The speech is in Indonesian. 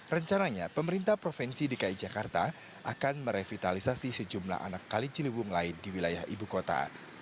rencananya pemerintah provinsi dki jakarta akan merevitalisasi sejumlah anak kali ciliwung lain di wilayah ibu kota